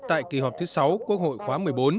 tại kỳ họp thứ sáu quốc hội khóa một mươi bốn